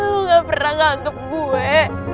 lo gak pernah nganggep gue